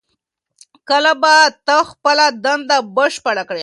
کله به ته خپله دنده بشپړه کړې؟